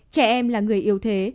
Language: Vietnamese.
trẻ em là người yêu thế